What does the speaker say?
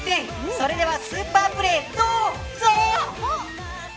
それではスーパープレーどうぞ。